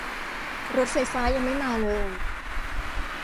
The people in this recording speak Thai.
รถไฟฟ้ายังไม่มาเลย